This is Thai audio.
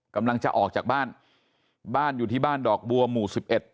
กำลังจะออกจากบ้านบ้านอยู่ที่บ้านดอกบัวหมู่สิบเอ็ด